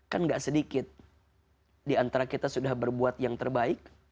kan gak sedikit diantara kita sudah berbuat yang terbaik